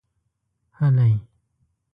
هلئ!